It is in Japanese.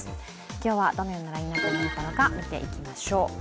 今日はどのようなラインナップになったのか見ていきましょう。